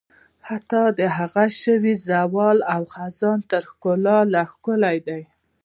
حتی د هغه شي زوال او خزان تر ښکلا لا ښکلی دی.